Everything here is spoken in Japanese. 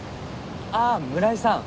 ああ村井さん！